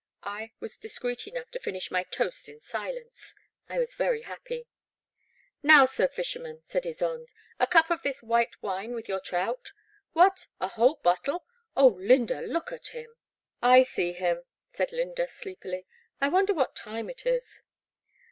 I was discreet enough to finish my toast in silence ; I was very happy. "Now, Sir Fisherman," said Ysonde, "a cup of this white wine with your trout ? What ! a whole bottle ? Oh, Lynda, look at him !"" I see him," said Lynda, sleepily, " I wonder what time it is."